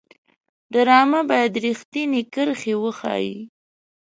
ډرامه باید رښتینې کرښې وساتي